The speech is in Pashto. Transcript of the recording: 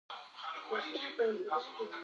انار د افغانستان د پوهنې په نصاب کې شامل دي.